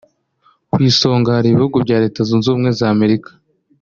Ku isonga hari ibihugu bya Leta Zunze Ubumwe za Amerika